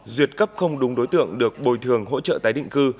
duyệt cấp không đúng đối tượng được bồi thường hỗ trợ tái định cư